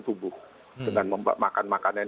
tubuh dengan memakan makanan